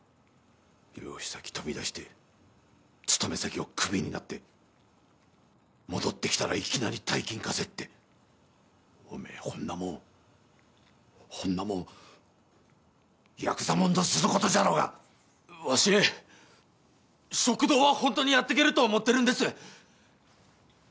養子先飛び出して勤め先をクビになって戻ってきたらいきなり大金貸せっておめほんなもんほんなもんヤクザもんのすることじゃろがわし食堂はホントにやってけると思ってるんです